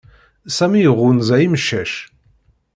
Sami iɣunza imcac.